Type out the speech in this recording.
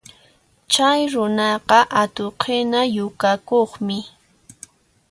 Chay runaqa atuqhina yukakuqmi